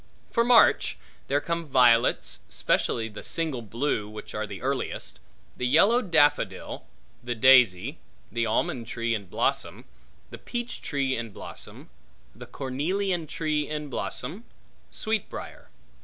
For March, there come violets, specially the single blue, which are the earliest; the yellow daffodil; the daisy; the almond tree in blossom; the peach tree in blossom; the cornelian tree in blossom; sweet briar.